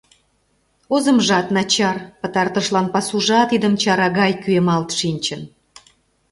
Озымжат начар, пытартышлан пасужат идымчара гай кӱэмалт шинчын.